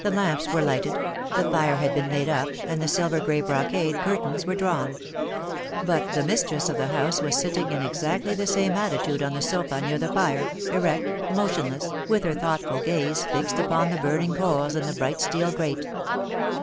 The lamps were lighted, the fire had been made up, and the silver gray brocade curtains were drawn ; but the mistress of the house was sitting in exactly the same attitude on the sofa near the fire, erect, motionless, with her thoughtful gaze fixed upom the burning coals in the bright steel grate.